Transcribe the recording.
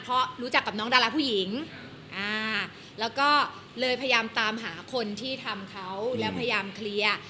เพราะรู้จักกับน้องดาราผู้หญิงแล้วก็เลยพยายามตามหาคนที่ทำเขาแล้วพยายามเคลียร์